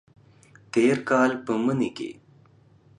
تیر کال په مني کې